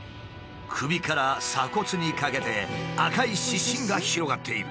首から鎖骨にかけて赤い湿疹が広がっている。